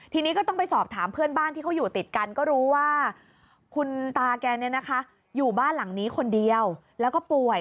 ทีนี้ก็ต้องไปสอบถามเพื่อนบ้านที่เขาอยู่ติดกันก็รู้ว่าคุณตาแกอยู่บ้านหลังนี้คนเดียวแล้วก็ป่วย